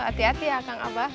hati hati ya kang abah